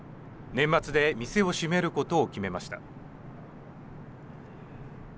年末で店を閉めることを決めました。